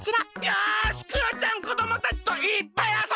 よしクヨちゃんこどもたちといっぱいあそんじゃうぞ！